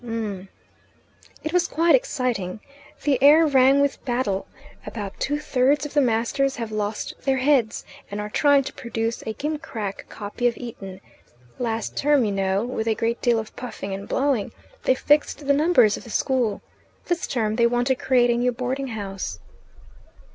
"M'm." "It was quite exciting. The air rang with battle. About two thirds of the masters have lost their heads, and are trying to produce a gimcrack copy of Eton. Last term, you know, with a great deal of puffing and blowing, they fixed the numbers of the school. This term they want to create a new boarding house."